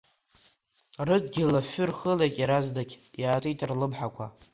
Рыдгьыл афҩы рхылеит иаразнак, иаатит рлымҳақәа.